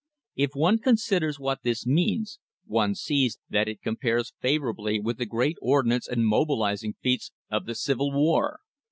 If one con siders what this means one sees that it compares favourably with the great ordnance and mobilising feats of the Civil War.